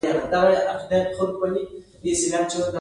که په لومړي ځل په دې کار کې بريالي نه شوئ مه ناهيلي کېږئ.